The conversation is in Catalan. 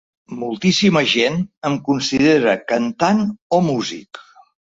Moltíssima gent em considera cantant o músic.